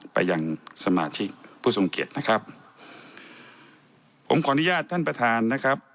ไปยังสมาชิกผู้ทรงเกียจนะครับผมขออนุญาตท่านประธานนะครับ